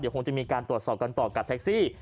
เดี๋ยวคงจะมีการตรวจสอบกันต่อกับไทรซี